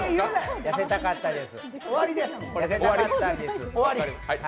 痩せたかったです。